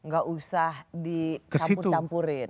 gak usah dicampur campurin